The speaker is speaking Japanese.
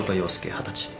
二十歳。